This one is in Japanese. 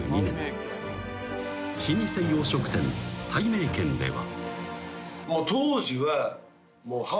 ［老舗洋食店たいめいけんでは］